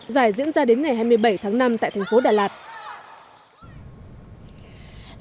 giải diễn ra đến ngày hai mươi bảy tháng năm tại tp đà lạt